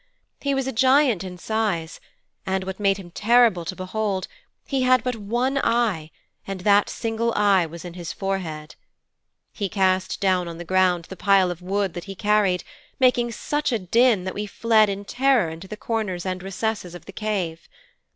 He was a giant in size, and, what made him terrible to behold, he had but one eye, and that single eye was in his forehead. He cast down on the ground the pile of wood that he carried, making such a din that we fled in terror into the corners and recesses of the cave.